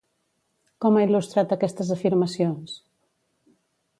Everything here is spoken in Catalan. Com ha il·lustrat aquestes afirmacions?